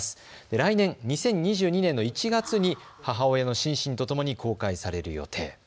来年２０２２年の１月に母親のシンシンとともに公開される予定です。